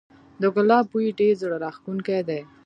د ګلاب بوی ډیر زړه راښکونکی دی